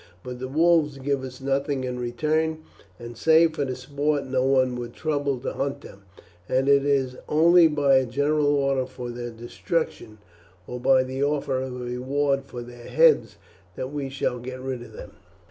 But the wolves give us nothing in return, and save for the sport no one would trouble to hunt them; and it is only by a general order for their destruction, or by the offer of a reward for their heads, that we shall get rid of them."